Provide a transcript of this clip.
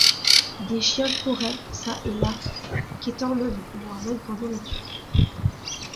Des chiens couraient çà et là, quêtant leur maigre nourriture.